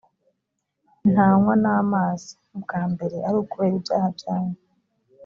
ntanywa n’amazi, nk’ubwa mbere, ari ukubera ibyaha byanyu